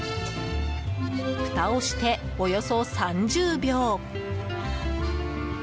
ふたをして、およそ３０秒。